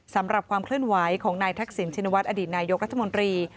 ความเคลื่อนไหวของนายทักษิณชินวัฒนอดีตนายกรัฐมนตรี